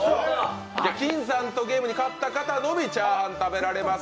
金さんとゲームに勝った方がチャーハンを食べられます。